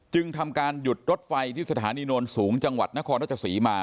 จึงทำการหยุดรถไฟที่สถานีโน้นสูงจังหวัดนครราชศรีมา